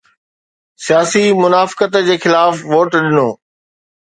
سياسي منافقت جي خلاف ووٽ ڏنو.